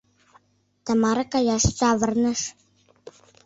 — Тамара каяш савырныш.